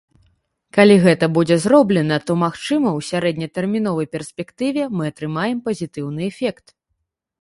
Калі гэта будзе зроблена, то, магчыма, у сярэднетэрміновай перспектыве мы атрымаем пазітыўны эфект.